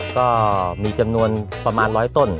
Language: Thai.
ก็มีจำนวนประมาณ๑๐๐ต้น